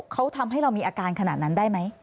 เขาทำให้เรามีอาการขนาดนั้นได้ไหม